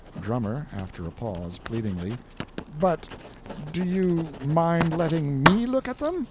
DRUMMER (after a pause, pleadingly). But do you you mind letting ME look at them!